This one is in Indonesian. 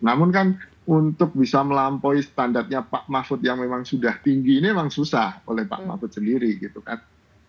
namun kan untuk bisa melampaui standarnya pak mahfud yang memang sudah tinggi ini memang susah oleh pak mahfud sendiri gitu kan